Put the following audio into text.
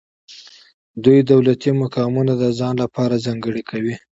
دوی دولتي مقامونه د ځان لپاره ځانګړي کوي.